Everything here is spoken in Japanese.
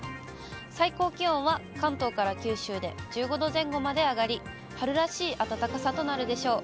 最高気温は関東から九州で１５度前後まで上がり、春らしい暖かさとなるでしょう。